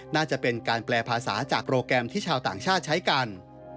น่าจะเป็นการแปลภาษาจากโปรแกรมที่ชาวต่างชาติใช้กัน